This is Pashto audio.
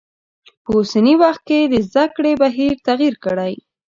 په اوسنی وخت کې د زده کړی بهیر تغیر کړی.